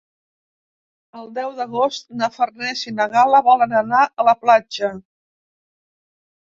El deu d'agost na Farners i na Gal·la volen anar a la platja.